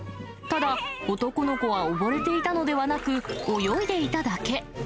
ただ、男の子は溺れていたのではなく、泳いでいただけ。